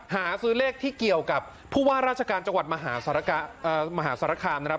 หาซื้อเลขที่เกี่ยวกับผู้ว่าราชการจังหวัดมหาสารคามนะครับ